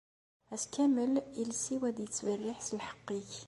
Ass kamel, lles-iw ad ittberriḥ s lḥeqq-ik.